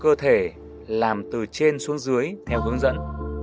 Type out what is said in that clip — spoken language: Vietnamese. cơ thể làm từ trên xuống dưới theo hướng dẫn